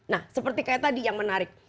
nah seperti kayak tadi yang menarik